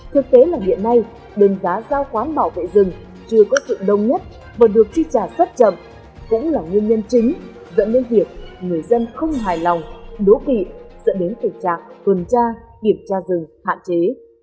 thực tế là hiện nay đơn giá giao khoán bảo vệ rừng chưa có sự đông nhất và được chi trả rất chậm cũng là nguyên nhân chính dẫn đến việc người dân không hài lòng đố kị dẫn đến tình trạng tuần tra kiểm tra rừng hạn chế